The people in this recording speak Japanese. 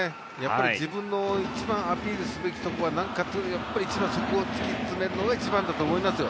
自分の一番アピールすべきところは何かというやっぱり一番そこを突き詰めるのが一番だと思いますよ。